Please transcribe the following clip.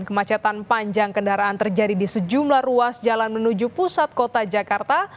kemacetan panjang kendaraan terjadi di sejumlah ruas jalan menuju pusat kota jakarta